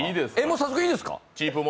早速いいですか？